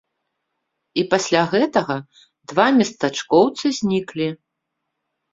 І пасля гэтага два местачкоўцы зніклі.